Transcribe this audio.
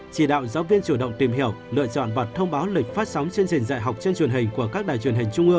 chỉ đạo giáo viên chủ động tìm hiểu lựa chọn bật thông báo lịch phát sóng chương trình giải học trên truyền hình